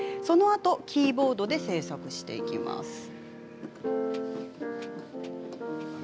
そのあとキーボードで制作していきます。